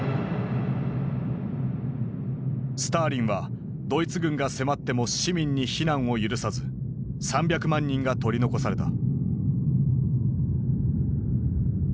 スターリンはドイツ軍が迫っても市民に避難を許さず３００万人が取り残された。